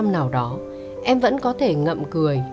năm nào đó em vẫn có thể ngậm cười